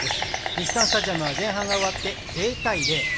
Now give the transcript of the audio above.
日産スタジアムは前半が終わって０対０。